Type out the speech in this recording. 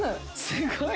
すごい。